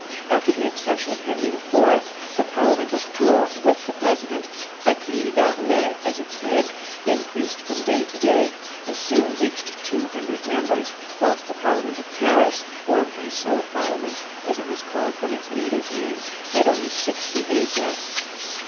After the accession of Henry IV., the Parliament of Tours, with the president, Achille de Harlay, as its head, increased from day to day, and soon reached two hundred members, whilst the Parliament of Paris, or Brisson Parliament, as it was called from its leader's name, had only sixty eight left.